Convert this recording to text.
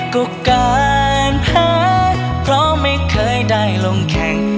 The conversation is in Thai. ก็การแพ้เพราะไม่เคยได้ลงแข่ง